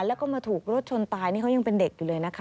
แล้วก็มาถูกรถชนตายนี่เขายังเป็นเด็กอยู่เลยนะคะ